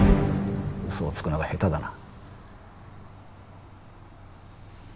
嘘をつくのが下手だな。